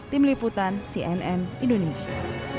tim liputan cnn indonesia